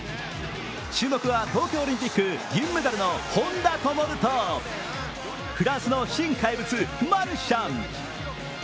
注目は東京オリンピック銀メダルの本多灯とフランスの新怪物、マルシャン。